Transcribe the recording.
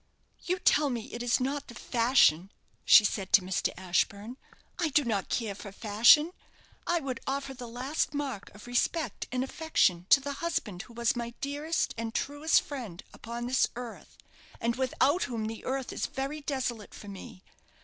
"You tell me it is not the fashion!" she said to Mr. Ashburne. "I do not care for fashion, I would offer the last mark of respect and affection to the husband who was my dearest and truest friend upon this earth, and without whom the earth is very desolate for me.